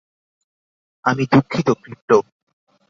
আমি দুঃখিত, ক্রিপ্টো।